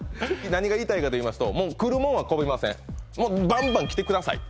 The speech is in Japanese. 何が言いたいかといいますともう来るもんは拒みませんもうバンバン来てください